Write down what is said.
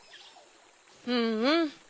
うんうん。